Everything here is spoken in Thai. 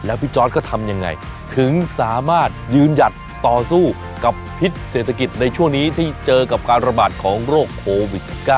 พี่จอร์ดก็ทำยังไงถึงสามารถยืนหยัดต่อสู้กับพิษเศรษฐกิจในช่วงนี้ที่เจอกับการระบาดของโรคโควิด๑๙